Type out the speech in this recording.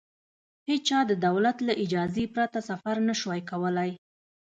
هېچا د دولت له اجازې پرته سفر نه شوای کولای.